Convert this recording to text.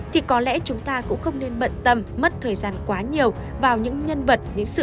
thì có lẽ chúng ta cũng không nên bận tâm mất thời gian quá nhiều vào những nhân vật